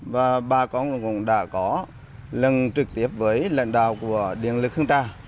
và bà con cũng đã có lần trực tiếp với lãnh đạo của điện lực hương trà